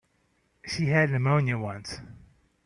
She had pneumonia once.